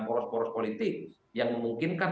poros poros politik yang memungkinkan